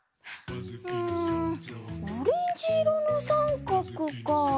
んオレンジいろのさんかくか。